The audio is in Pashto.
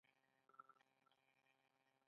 پلان پکار دی